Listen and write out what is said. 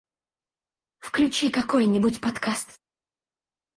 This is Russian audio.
Включи какой-нибудь подкаст